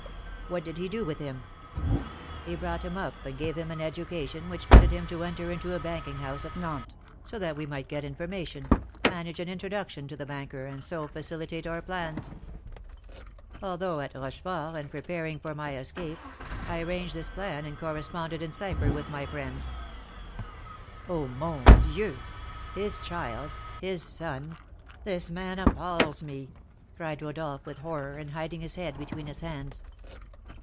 "What did he do with him?" "He brought him up, and gave him an education which fitted him to enter into a banking house at Nantes, so that we might get information, manage an introduction to the banker, and so facilitate our plans. Although at Rochefort, and preparing for my escape, I arranged this plan and corresponded in cipher with my friend " "Oh, mon Dieu! his child! his son! This man appals me!" cried Rodolph, with horror, and hiding his head between his hands.